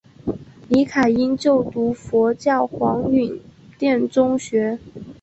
李凯茵就读佛教黄允畋中学。